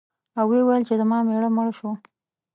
او ویل یې چې زما مېړه مړ شو.